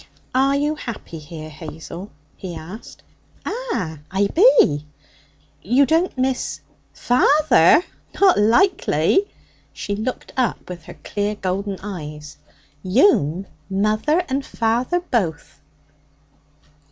'Are you happy here, Hazel?' he asked. 'Ah! I be.' 'You don't miss ' 'Father? Not likely!' She looked up with her clear golden eyes. 'You'm mother and father both!'